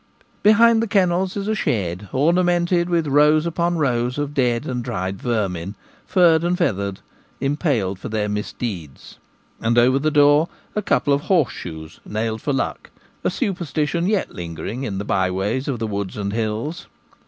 Beside the kennels is a shed ornamented with rows upon rows of dead and dried vermin, furred and feathered, impaled for their misdeeds; and over the door a couple of horseshoes nailed for luck— a super stition yet lingering in the by ways of the woods and hills.